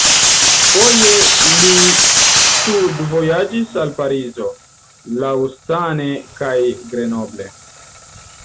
Foje li studvojaĝis al Parizo, Lausanne kaj Grenoble.